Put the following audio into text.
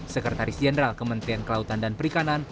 sekretaris jenderal kementerian kelautan dan perikanan